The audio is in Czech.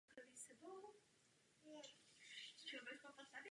Nominovala ho Slovenska národní rada.